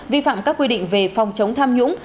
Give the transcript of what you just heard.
vi phạm các quy định về phòng chống tham nhũng